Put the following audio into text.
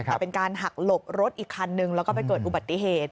แต่เป็นการหักหลบรถอีกคันนึงแล้วก็ไปเกิดอุบัติเหตุ